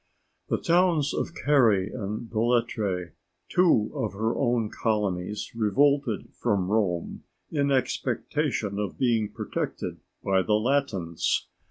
The towns of Cære and Velitræ, two of her own colonies, revolted from Rome in expectation of being protected by the Latins.